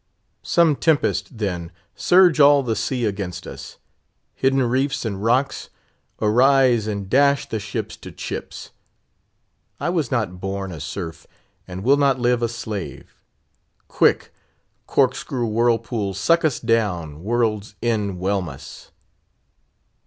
Some tempest, then, surge all the sea against us! hidden reefs and rocks, arise and dash the ships to chips! I was not born a serf, and will not live a slave! Quick! cork screw whirlpools, suck us down! world's end whelm us!